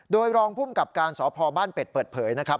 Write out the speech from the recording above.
โดยรองภูมิกับการสพบ้านเป็ดเปิดเผยนะครับ